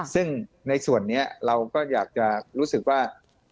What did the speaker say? ซึ่งในส่วนนี้เราก็อยากจะรู้สึกว่า